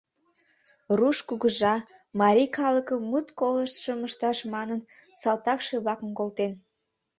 Руш кугыжа, марий калыкым мут колыштшым ышташ манын, салтакше-влакым колтен.